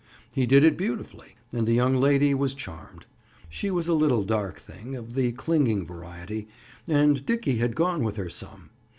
He did it beautifully and the young lady was charmed. She was a little dark thing, of the clinging variety, and Dickie had gone with her some.